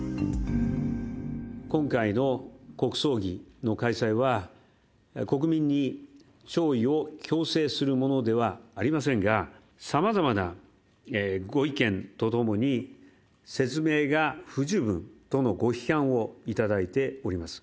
今回の国葬儀の開催は、国民に弔意を強制するものではありませんが、さまざまなご意見と共に、説明が不十分とのご批判を頂いております。